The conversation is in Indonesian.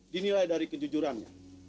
dinilai dari kejujurannya